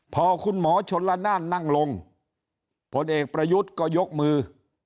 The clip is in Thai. พอคุณหมอชนละนานนั่งลงผลเอกประยุทธ์ก็ยกมือ